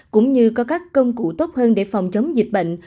cũng như có các công cụ tốt hơn để phòng chống dịch bệnh